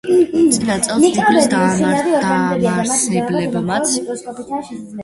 წინა წელს „გუგლის“ დამაარსებლებმაც უარი თქვეს ხელფასზე.